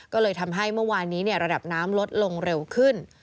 ก็เลยทำให้เมื่อวานนี้ระดับน้ำลดลงเร็วขึ้น